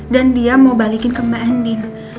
dan dia mau balikin ke mbak endin